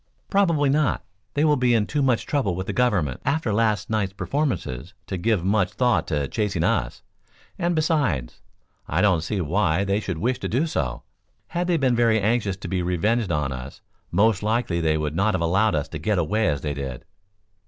"Probably not. They will be in too much trouble with the Government, after last night's performances, to give much thought to chasing us. And besides, I don't see why they should wish to do so. Had they been very anxious to be revenged on us, most likely they would not have allowed us to get away as they did."